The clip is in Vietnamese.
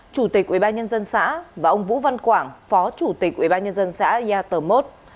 chủ tịch ubnd xã và ông vũ văn quảng phó chủ tịch ubnd xã yà tờ mốt